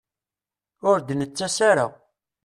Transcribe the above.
Ur d-nettas ara.